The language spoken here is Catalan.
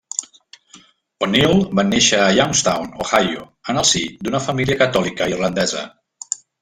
O'Neill va néixer a Youngstown, Ohio, en el si d'una família catòlica irlandesa.